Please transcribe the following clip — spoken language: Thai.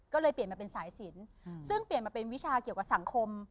ก็เลยเปลี่ยนมาเป็นสายสินซึ่งเปลี่ยนมาเป็นวิชาเกี่ยวกับสังคม